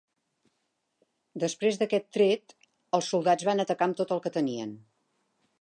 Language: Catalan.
Després d'aquest tret, els soldats van atacar amb tot el que tenien.